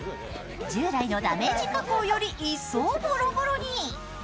従来のダメージ加工より一層ボロボロに。